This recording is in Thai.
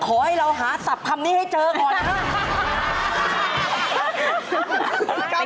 ขอให้เราหาศัพท์คำนี้ให้เจอก่อนครับ